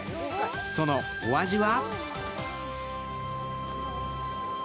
そのお味は？